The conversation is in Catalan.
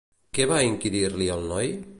Què va inquirir-li al noi?